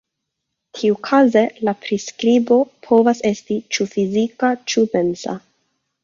Tiukaze la priskribo povas esti ĉu fizika ĉu mensa.